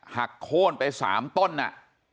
โค้นไป๓ต้นอ่ะ